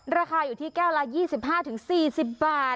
ราคาอยู่ที่แก้วละ๒๕๔๐บาท